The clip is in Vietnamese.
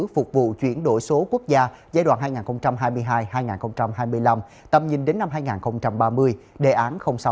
phục vụ chuyển đổi số quốc gia giai đoạn hai nghìn hai mươi hai hai nghìn hai mươi năm tầm nhìn đến năm hai nghìn ba mươi đề án sáu